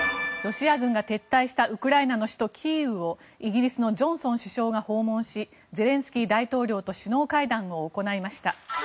ロシア軍が撤退したウクライナの首都キーウをイギリスのジョンソン首相が訪問しゼレンスキー大統領と首脳会談を行いました。